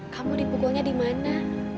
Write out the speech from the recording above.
kamu dipukulnya dimana